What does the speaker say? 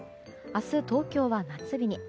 明日、東京は夏日に。